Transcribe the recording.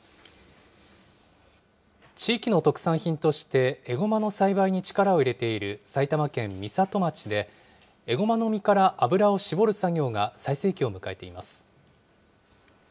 地域の特産品としてエゴマの栽培に力を入れている埼玉県美里町で、エゴマの実から油を搾る作業が最盛期を迎えています。